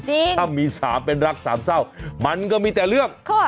ถ้ามี๓เป็นรักสามเศร้ามันก็มีแต่เรื่อง